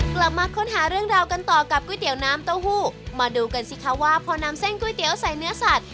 กลับมาค้นหาเรื่องราวกันต่อกับก๋วยเตี๋ยวน้ำเต้าหู้มาดูกันสิคะว่าพอนำเส้นก๋วยเตี๋ยวใส่เนื้อสัตว